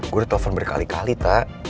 gue udah telepon berkali kali tak